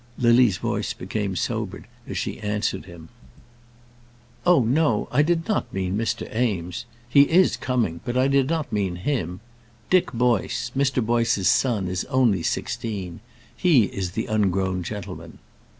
Lily's voice became sobered as she answered him. "Oh, no; I did not mean Mr. Eames. He is coming, but I did not mean him. Dick Boyce, Mr. Boyce's son, is only sixteen. He is the ungrown gentleman."